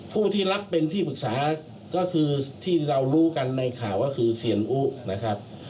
ผู้ที่รับเป็นที่ปรึกษาก็คือที่เรารู้กันในข่าวก็คือเซียนอุนะครับ